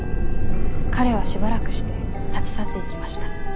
彼はしばらくして立ち去って行きました。